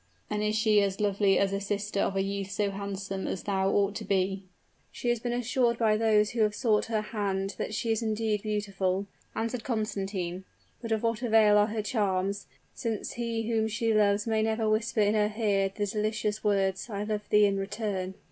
"And is she as lovely as a sister of a youth so handsome as thou art ought to be?" "She has been assured by those who have sought her hand, that she is indeed beautiful," answered Constantine. "But of what avail are her charms, since he whom she loves may never whisper in her ear the delicious words, 'I love thee in return.'"